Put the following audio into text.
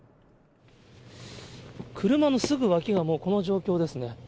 車のすぐわきがもう、この状況ですね。